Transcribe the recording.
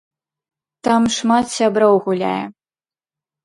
Там шмат сяброў гуляе.